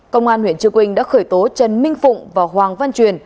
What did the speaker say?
công an huyện trư quynh đã khởi tố trần minh phụng và hoàng văn truyền